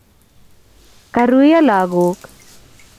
Karuiyo lagok